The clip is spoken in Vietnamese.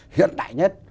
hiện đại nhất